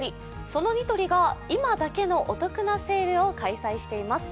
そのニトリが今だけのお得なセールを開催しています。